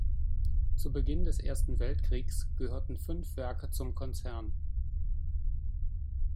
Zu Beginn des Ersten Weltkrieges gehörten fünf Werke zum Konzern.